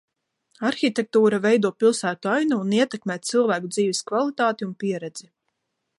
Arhitektūra veido pilsētu ainavu un ietekmē cilvēku dzīves kvalitāti un pieredzi.